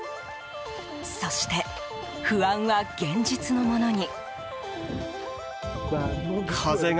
そして、不安は現実のものに。